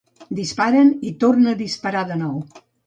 Disparen i tornen a disparar de nou.